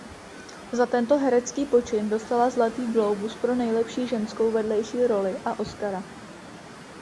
Za tento herecký počin dostala Zlatý glóbus pro nejlepší ženskou vedlejší roli a Oskara.